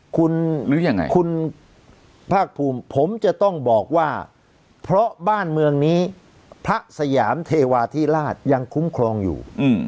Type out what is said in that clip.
คุณภาคภูมิผมจะต้องบอกว่าเพราะบ้านเมืองนี้พระสยามเทวาที่ราชยังคุ้มครองอยู่